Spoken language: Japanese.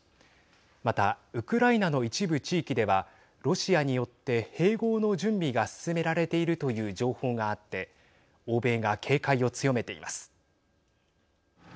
また、ウクライナの一部地域ではロシアによって併合の準備が進められているという情報があって欧米が警戒を強めています。